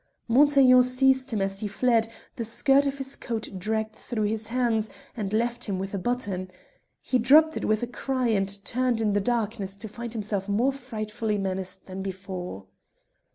Montaiglon seized him as he fled; the skirt of his coat dragged through his hands, and left him with a button. He dropped it with a cry, and turned in the darkness to find himself more frightfully menaced than before.